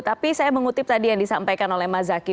tapi saya mengutip tadi yang disampaikan oleh mas zaky